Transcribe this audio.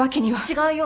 違うよ